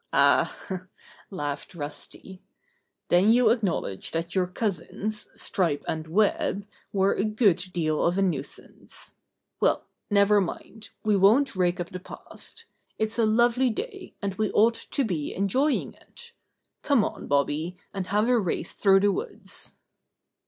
"Ah!" laughed Rusty, "then you acknowl edge that your cousins, Stripe and Web, were a good deal of a nuisance. Well, never mind ! We won't rake up the past! It's a lovely day, An Adventure With Dasher 11 »> and we ought to be enjoying It. Come on, Bobby, and have a race through the woods."